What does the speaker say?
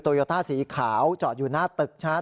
โตโยต้าสีขาวจอดอยู่หน้าตึกนะครับ